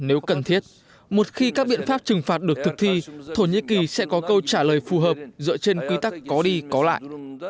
nếu cần thiết một khi các biện pháp trừng phạt được thực thi thổ nhĩ kỳ sẽ có câu trả lời phù hợp dựa trên quy tắc có đi có lại